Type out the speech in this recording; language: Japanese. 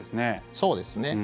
そうですね。